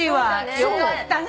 よかったね！